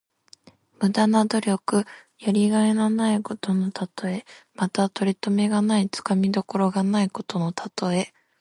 無駄な努力。やりがいのないことのたとえ。また、とりとめがない、つかみどころがないことのたとえ。